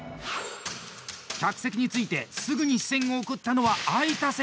客席に着いてすぐに視線を送ったのは空いた席。